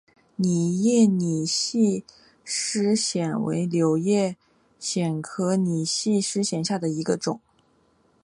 仰叶拟细湿藓为柳叶藓科拟细湿藓下的一个种。